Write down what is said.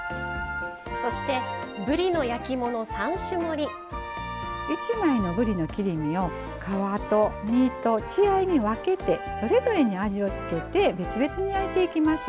そして１枚のぶりの切り身を皮と身と血合いに分けてそれぞれに味を付けて別々に焼いていきます。